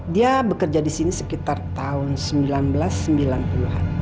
dia bekerja di sini sekitar tahun seribu sembilan ratus sembilan puluh an